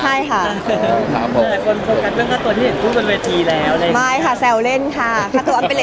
หยิบมานะได้ไงก่านเชิญเลย